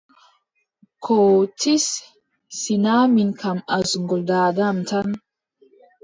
Koo tis, sinaa min kam asngol daada am tan.